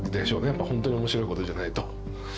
やっぱ本当に面白い事じゃないと。